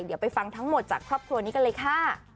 เดี๋ยวไปฟังทั้งหมดจากครอบครัวนี้กันเลยค่ะ